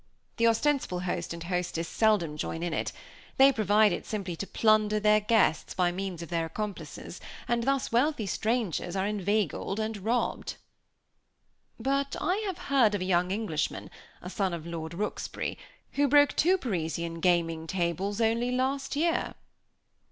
The ostensible host and hostess seldom join in it; they provide it simply to plunder their guests, by means of their accomplices, and thus wealthy strangers are inveigled and robbed." "But I have heard of a young Englishman, a son of Lord Rooksbury, who broke two Parisian gaming tables only last year."